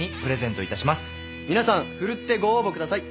皆さん奮ってご応募ください。